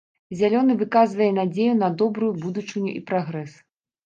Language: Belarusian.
Зялёны выказвае надзею на добрую будучыню і прагрэс.